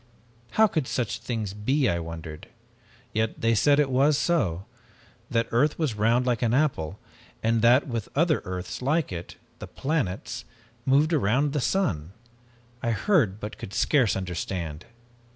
How could such things be, I wondered. Yet they said that it was so, that earth was round like an apple, and that with other earths like it, the planets, moved round the sun. I heard, but could scarce understand.